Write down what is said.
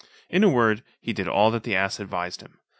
In a word, he did all that the ass had advised him.